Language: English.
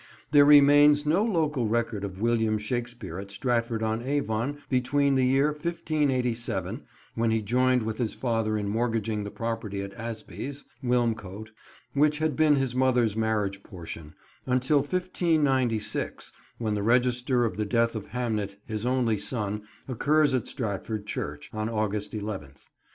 There remains no local record of William Shakespeare at Stratford on Avon between the year 1587, when he joined with his father in mortgaging the property at Asbies, Wilmcote, which had been his mother's marriage portion, until 1596, when the register of the death of Hamnet, his only son, occurs at Stratford church, on August 11th.